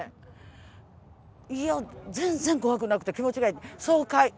いや全然怖くなくて気持ちがいい。